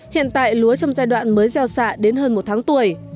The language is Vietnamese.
hiện tại lúa trong giai đoạn mới gieo xạ đến hơn một tháng tuổi